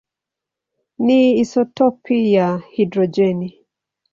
ni isotopi ya hidrojeni.